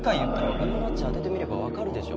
フィボナッチ当ててみれば分かるでしょ